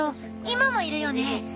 今もいるよね。